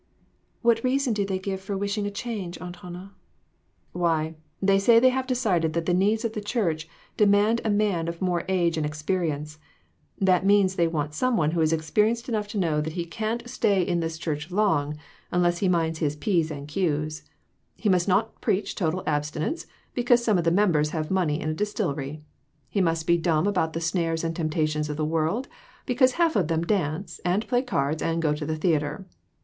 "What reason do they give for wishing a change, Aunt Hannah ?" "Why, they say they have decided that the needs of the church demand a man of more age and experience. That means they want some one who is experienced enough to know that he can't 396 THREE OF US. stay in this church long, unless he minds his p's and q's. He must not preach total abstinence, because some of the members have money in a distillery. He must be dumb about the snares and temptations of the world, because half of them dance, and play cards, and go to the theatre.